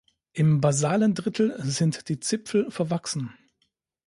Im basalen Drittel sind die Zipfel verwachsen.